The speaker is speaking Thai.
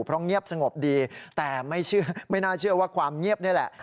เพราะเงียบสงบดีแต่ไม่เชื่อไม่น่าเชื่อว่าความเงียบนี่แหละ